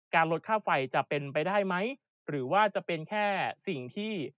ลดค่าไฟจะเป็นไปได้ไหมหรือว่าจะเป็นแค่สิ่งที่